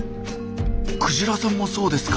クジラさんもそうですか。